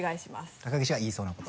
高岸が言いそうなこと？